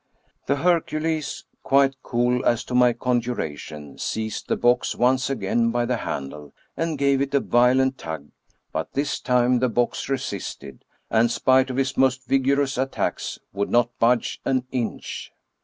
The Hercules, quite cool as to my conjuration, seized the box once again by the handle, and gave it a violent tug, but this time the box resisted, and, spite of his most vigorous attacks, would not budge an inch.